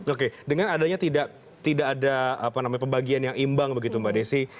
oke dengan adanya tidak ada pembagian yang imbang begitu mbak desi